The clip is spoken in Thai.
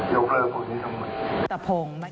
ยกเลิกผลนี้ทั้งหมด